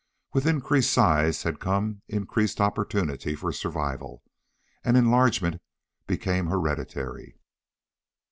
With increased size had come increased opportunity for survival, and enlargement became hereditary.